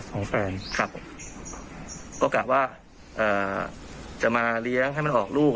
ถุงบาท๑๒๐๙๐๐บาทครับก็กะว่าจะมาเลี้ยงให้มันออกลูก